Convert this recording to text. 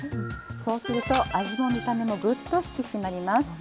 そうすると味も見た目もグッと引き締まります。